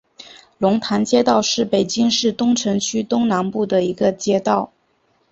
龙潭街道是北京市东城区东南部的一个街道。